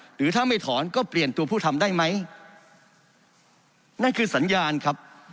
หรือถ้าไม่ถอนก็เปลี่ยนตัวผู้ทำได้ไหมนั่นคือสัญญาณครับ